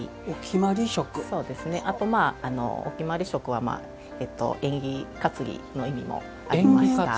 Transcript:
あと、お決まり食は縁起担ぎの意味もありました。